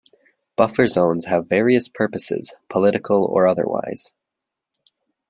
Buffer zones have various purposes, political or otherwise.